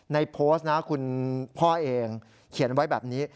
ในโพสต์นะคุณพ่อเองเขียนไว้แบบนี้